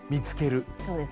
そうですね。